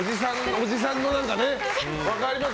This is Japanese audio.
おじさんのね、分かります。